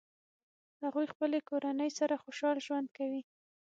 هغوی خپلې کورنۍ سره خوشحال ژوند کوي